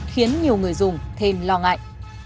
khiến nhiều người dùng thêm lo ngại